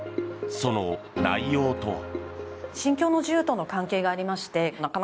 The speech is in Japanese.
その内容とは。